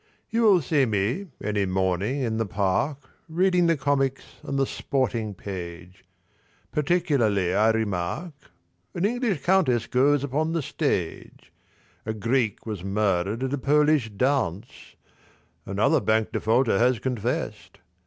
You will see me any morning in the park Reading the comics and the sporting page. Particularly I remark An English countess goes upon the stage. A Greek was murdered at a Polish dance, Another bank defaulter has confessed.